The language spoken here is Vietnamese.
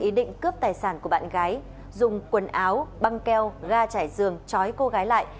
ý định cướp tài sản của bạn gái dùng quần áo băng keo ga chải giường chói cô gái lại